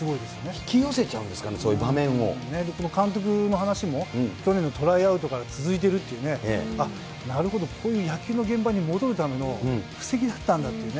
引き寄せちゃうんですかね、僕も、監督の話も、去年のトライアウトから続いているっていうね、ああ、なるほど、こういう野球の現場に戻るための布石だったんだっていうね。